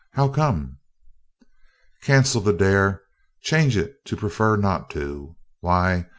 "How come?" "Cancel the 'dare' change it to 'prefer not to.' Why?